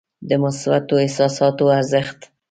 د مثبتو احساساتو ارزښت.